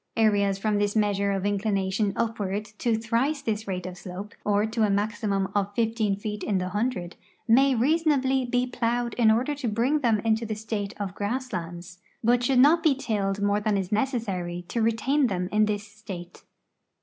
Areas from this measure of inclina tion upward to thrice this rate of slope, or to a maximum of fifteen feet in the hundred, may reasonably be ]fiowed in order to bring them into the state of grass lands, but should not be CRITICAL PERIOD IN SOUTH AFRICAN HISTORY 377 tilled more than is necessaiy to retain them in this state.